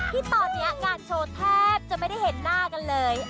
ที่ตอนนี้งานโชว์แทบจะไม่ได้เห็นหน้ากันเลย